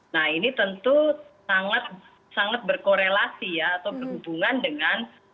nah ini tentu sangat berkorelasi ya atau berhubungan dengan